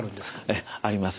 ええあります。